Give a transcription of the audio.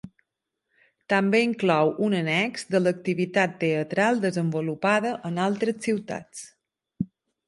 També inclou un annex de l’activitat teatral desenvolupada en altres ciutats.